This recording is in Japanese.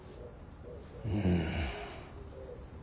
うん。